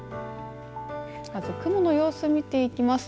まず雲の様子、見ていきます。